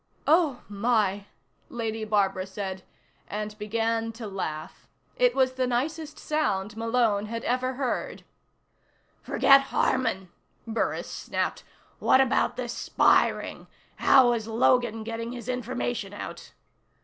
"Oh, my," Lady Barbara said and began to laugh. It was the nicest sound Malone had ever heard. "Forget Harman," Burris snapped. "What about this spy ring? How was Logan getting his information out?"